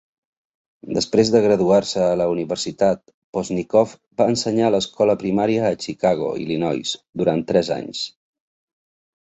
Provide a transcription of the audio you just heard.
Després de graduar-se a la universitat, Poznikov va ensenyar l'escola primària a Chicago, Illinois, durant tres anys.